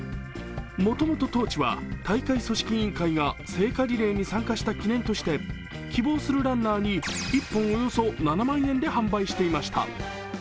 もともとトーチは大会組織委員会が聖火リレーに参加した記念として希望するランナーに１本およそ７万円で販売していました。